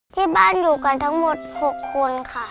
ที่บ้านอยู่กันทั้งหมด๖คนค่ะ